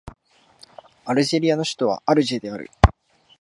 アルジェリアの首都はアルジェである